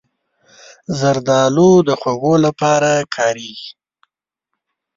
زردالو د خوږو لپاره کارېږي.